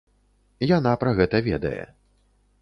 Яна пра гэта ведае.